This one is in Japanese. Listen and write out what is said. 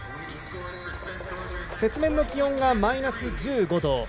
雪面の気温がマイナス１５度。